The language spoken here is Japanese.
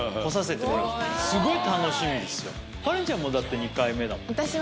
カレンちゃんもうだって２回目だもんね。